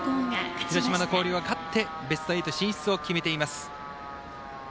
広島の広陵は勝ってベスト８進出を決めています。